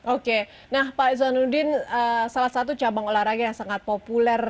oke nah pak zainuddin salah satu cabang olahraga yang sangat populer